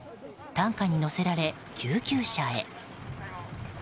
担架に乗せられ、救急車へ。